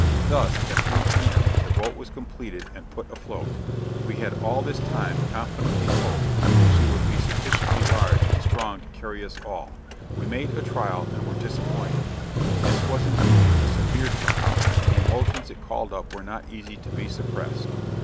Thus, at three P.M. the boat was completed and put afloat. We had all this time confidently hoped, that she would be sufficiently large and strong to carry us all we made a trial and were disappointed! This was indeed a severe trial, and the emotions it called up were not easy to be suppressed.